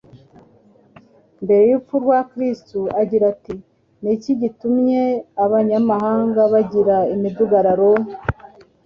mbere y'urupfu rwa Kristo agira ati : «Ni iki gitumye abanyamahanga bagira imidugararo?